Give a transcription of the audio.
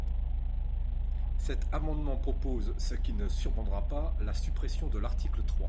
Cet amendement propose, ce qui ne surprendra pas, la suppression de l’article trois.